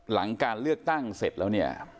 หลังการเลือกตั้งเสร็จแล้วเนี่ย